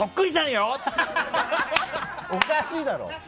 おかしいだろ！